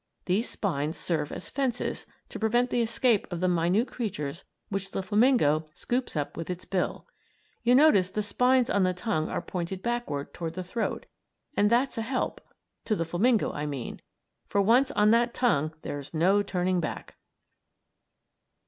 These spines serve as fences to prevent the escape of the minute creatures which the flamingo scoops up with its bill. You notice the spines on the tongue are pointed backward toward the throat; and that's a help to the flamingo, I mean, for once on that tongue there's no turning back.